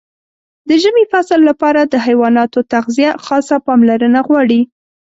د ژمي فصل لپاره د حیواناتو تغذیه خاصه پاملرنه غواړي.